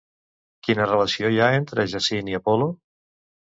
Quina relació hi ha entre Jacint i Apol·lo?